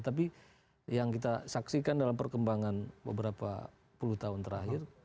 tapi yang kita saksikan dalam perkembangan beberapa puluh tahun terakhir